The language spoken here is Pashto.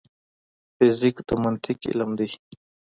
فزیک د منطق علم دی